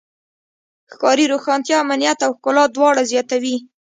ښاري روښانتیا امنیت او ښکلا دواړه زیاتوي.